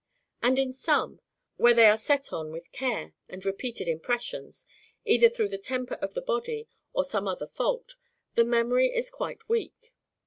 And in some, where they are set on with care and repeated impressions, either through the temper of the body, or some other fault, the memory is very weak.